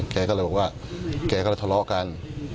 แกก็เลยบอกว่าแกก็เลยทะเลาะกัน